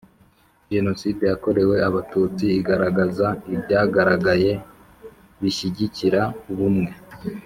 Jenoside yakorewe Abatutsi igaragaza ibyagaragaye bishyigikira ubumwe